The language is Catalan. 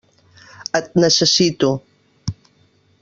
Et necessito.